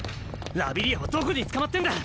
ラビリアはどこに捕まってんだ。